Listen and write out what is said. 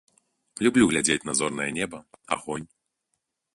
Люблю глядзець на зорнае неба, агонь.